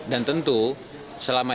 dan tentu selama ini